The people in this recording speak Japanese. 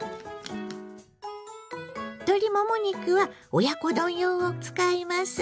鶏もも肉は親子丼用を使います。